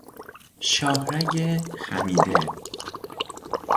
شاهرگ خمیده